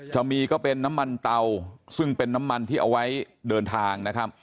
จะเป็นก็เป็นน้ำมันเตาซึ่งเป็นน้ำมันที่เอาไว้เดินทางนะครับ